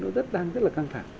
nó rất là căng thẳng